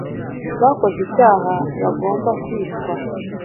bakoze icyaha bagomba kwicwa